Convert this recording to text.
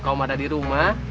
kamu ada di rumah